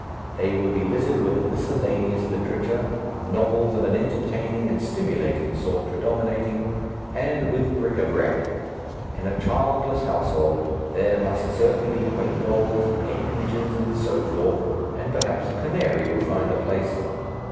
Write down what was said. They will be littered with a miscellaneous literature, novels of an entertaining and stimulating sort predominating, and with bric à brac; in a childless household there must certainly be quaint dolls, pet images, and so forth, and perhaps a canary would find a place.